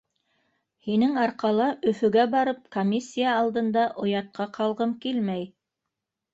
Һинең арҡала, Өфөгә барып, комиссия алдында оятҡа ҡалғым килмәй.